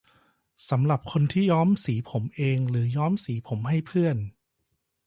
สำหรับคนที่ย้อมสีผมเอง หรือย้อมสีผมให้เพื่อน